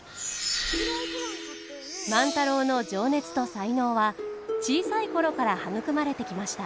万太郎の情熱と才能は小さい頃から育まれてきました。